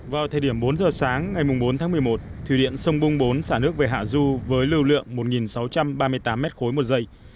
vào thời điểm bốn giờ sáng ngày bốn tháng một mươi một thủy điện sông bung bốn xả nước về hạ du với lưu lượng một sáu trăm ba mươi tám m ba một giây